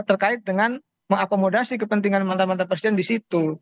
terkait dengan mengakomodasi kepentingan mantan mantan presiden di situ